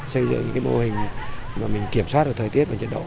xây dựng những mô hình mà mình kiểm soát được thời tiết và nhiệt độ